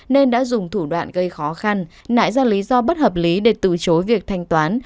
nên đã dùng thủ đoạn gây khó khăn nại ra lý do bất hợp lý để từ chối việc thanh toán